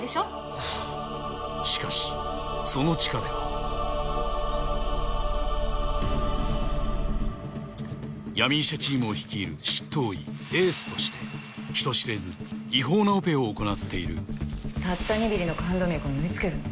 ああしかしその地下では闇医者チームを率いる執刀医エースとして人知れず違法なオペを行っているたった２ミリの冠動脈を縫い付けるの？